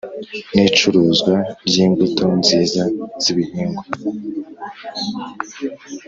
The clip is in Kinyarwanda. N’ icuruzwa ry’imbuto nziza z’ibihingwa